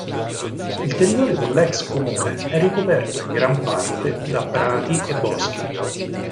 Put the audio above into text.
Il territorio dell'ex comune è ricoperto in gran parte da prati e boschi.